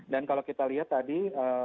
dan kalau kita lihat tadi